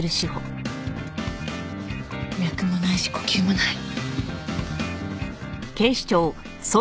脈もないし呼吸もない。